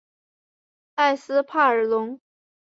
埃斯帕尔龙。